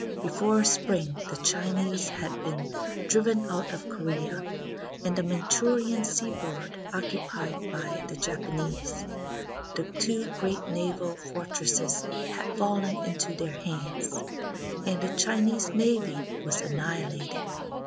Before spring the Chinese had been driven out of Corea, and the Manchurian seaboard occupied by the Japanese. The two great naval fort resses had fallen into their hands, and the Chinese navy was annihilated.